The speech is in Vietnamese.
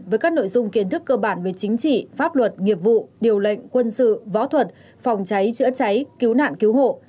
với các nội dung kiến thức cơ bản về chính trị pháp luật nghiệp vụ điều lệnh quân sự võ thuật phòng cháy chữa cháy cứu nạn cứu hộ